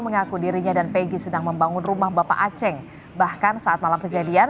mengaku dirinya dan peggy sedang membangun rumah bapak aceh bahkan saat malam kejadian